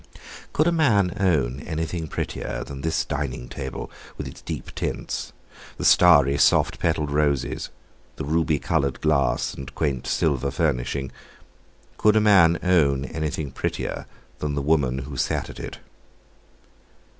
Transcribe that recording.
Could a man own anything prettier than this dining table with its deep tints, the starry, soft petalled roses, the ruby coloured glass, and quaint silver furnishing; could a man own anything prettier than the woman who sat at it?